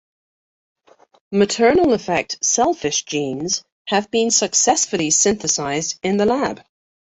Maternal-effect selfish genes have been successfully synthesized in the lab.